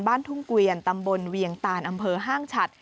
ทุ่งเกวียนตำบลเวียงตานอำเภอห้างฉัด